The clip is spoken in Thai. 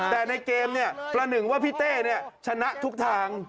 แต่ในเกมเนี่ยประหนึ่งว่าพี่เต้ชนะทุกทาง